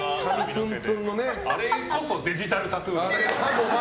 あれこそデジタルタトゥーだよ。